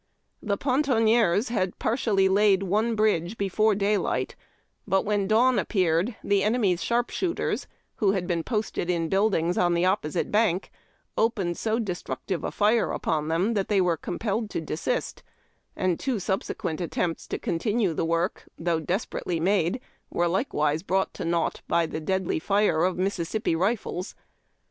The pontoniers had partially laid one bridge before day light; but when dawn appeared the enemy's sharpshooters, who had been posted in buildings on the opposite bank, opened so destrnctive a fire upon them tliat they were compelled to desist, and two subsequent attempts to continue the work, though desperately made, were like wise brought to naught by the deadly fire of Mississippi rifles.